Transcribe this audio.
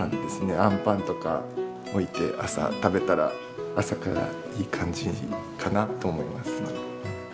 あんパンとか置いて朝食べたら朝からいい感じかなと思います。